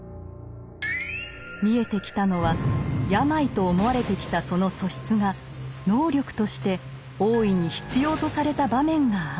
見えてきたのは病と思われてきたその素質が能力として大いに必要とされた場面があったこと。